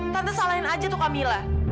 tante salahin aja tuh camilla